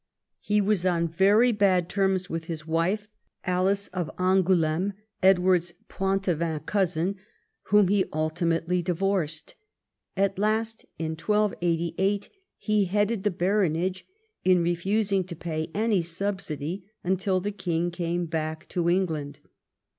He was on very bad terms with his wife, Alice of Angouleme, Edward's Poitevin cousin, whom he ultimately divorced. At last, in 1288, he headed the baronage in refusing to pay any subsidy until the king came back to England.